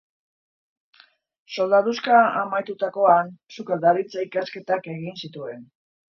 Soldaduska amaitutakoan, sukaldaritza ikasketak egin zituen.